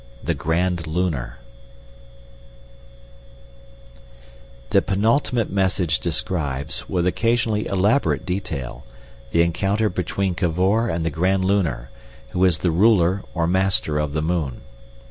The Grand Lunar The penultimate message describes, with occasionally elaborate detail, the encounter between Cavor and the Grand Lunar, who is the ruler or master of the moon.